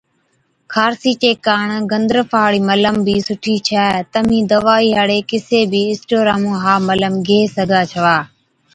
خارسِي چي ڪاڻ گندرفا هاڙِي ملم بِي سُٺِي ڇَي۔ تمهِين دَوائِي هاڙي ڪِسي بِي اسٽورا مُون ها ملم گيه سِگھا ڇَوا